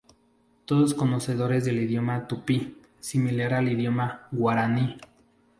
Todos conocedores del idioma tupí, similar al idioma guaraní.